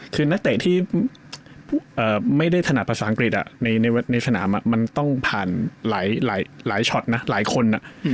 คือนักเตะที่ไม่ได้ถนัดภาษาอังกฤษในสนามมันต้องผ่านหลายช็อตนะหลายคน